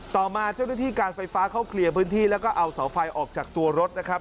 ต่อมาเจ้าหน้าที่การไฟฟ้าเข้าเคลียร์พื้นที่แล้วก็เอาเสาไฟออกจากตัวรถนะครับ